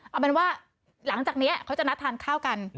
เอาเป็นว่าหลังจากนี้เขาจะนัดทานข้าวกัน